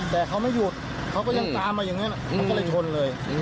แต่เขาไม่หยุดเขาก็ยังตามมาอย่างนั้นมันก็เลยชนเลย